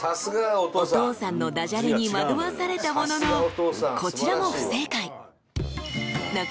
［お父さんの駄じゃれに惑わされたもののこちらも］